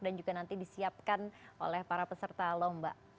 dan juga nanti disiapkan oleh para peserta lomba